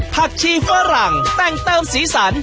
ผักชีฝรั่งแต่งเติมสีสัน